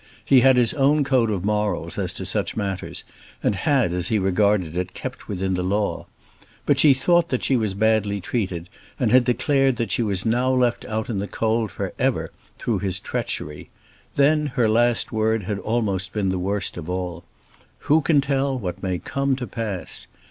He had his own code of morals as to such matters, and had, as he regarded it, kept within the law. But she thought that she was badly treated, and had declared that she was now left out in the cold for ever through his treachery. Then her last word had been almost the worst of all, "Who can tell what may come to pass?"